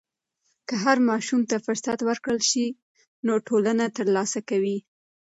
که هر ماشوم ته فرصت ورکړل سي، نو ټولنه ترلاسه کوي.